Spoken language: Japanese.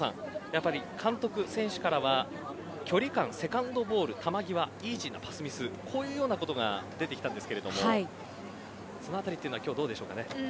やっぱり監督、選手からは距離感セカンドボール球際、イージーなパスミスそういうようなことが出てきたんですがそのあたりは今日どうでしょうか。